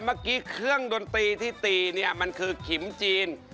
เมื่อกี้เครื่องดนตรีที่ตีเนี่ยมันคือขิมจีน